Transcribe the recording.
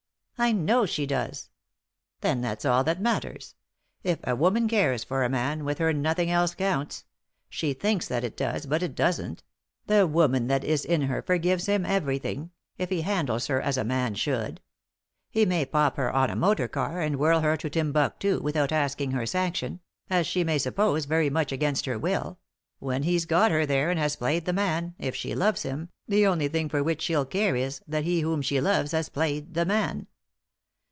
" I know she does," "Then that's all that matters. If a woman cares for a man, with her nothing else counts ; she thinks that it does, but it doesn't ; the woman that is in her forgives him everything — if he handles her as a man should. He may pop her on a motor car, and 265 3i 9 iii^d by Google THE INTERRUPTED KISS whirl her to Timbuctoo, without asking her sanction ; as she may suppose, very much against her will; when he's got her there, and has played the man, if she loves him, the only thing for which she'll care is, that he whom she lores has played the man.